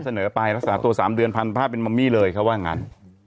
เสนอไปแล้วสามารถตัวสามเดือนพันธุ์ภาพเป็นมัมมี่เลยเขาว่างั้น